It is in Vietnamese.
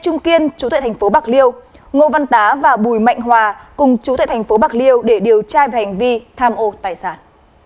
nguyễn kiên chú tại thành phố bạc liêu ngô văn tá và bùi mạnh hòa cùng chú tại thành phố bạc liêu để điều tra về hành vi tham ô tài sản